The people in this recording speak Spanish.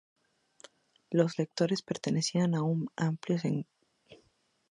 Los lectores pertenecían a un amplio sector de la sociedad israelí.